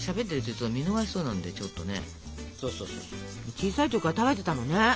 小さい時から食べてたのね？